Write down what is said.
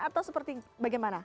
atau seperti bagaimana